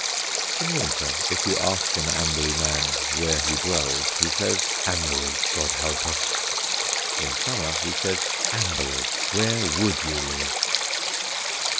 In winter, if you ask an Amberley man where he dwells, he says, "Amberley, God help us." In summer he says, "Amberley where would you live?"